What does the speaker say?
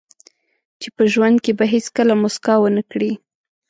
چې په ژوند کې به هیڅکله موسکا ونه کړئ.